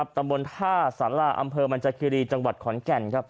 ตำบลถ้าสันละอำเภอมันจัครีจังหวัดขอนแก่น